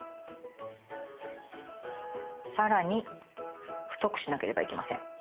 さらに太くしなければいけません。